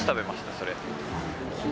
それ。